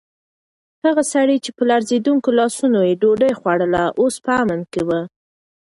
هغه سړی چې په لړزېدونکو لاسونو یې ډوډۍ خوړله، اوس په امن کې و.